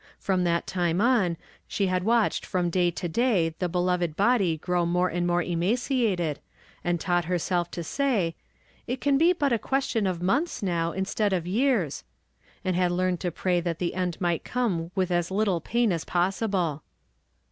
From that time on she had watched from day to day the beloved body grow more and more emaciated, and taught hei self to say, " It can be but a question of months now, instead of years," and had learned to pray 88 YESTERDAY 'FRAMED IN TO DAY. that tlie end might come with as little pain as ])os sible.